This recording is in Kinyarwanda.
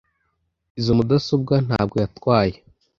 Izoi mudasobwa ntabwo yatwaye